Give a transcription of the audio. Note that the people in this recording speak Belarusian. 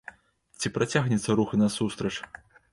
Ці працягнецца рух насустрач?